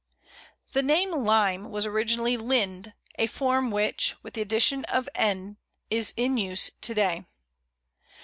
The name Lime was originally Linde, a form which, with the addition of n, is in use to day.